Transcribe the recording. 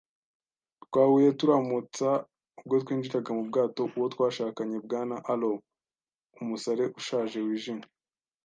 twahuye turamutsa ubwo twinjiraga mu bwato uwo twashakanye, Bwana Arrow, umusare ushaje wijimye